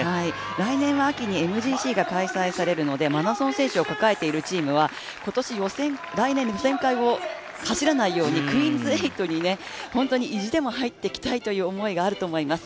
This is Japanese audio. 来年は秋にＭＧＣが開催されるので、マラソン選手を抱えているチームは来年の予選会を走らないようにクイーンズ８に意地でも入っておきたい思いがあると思います。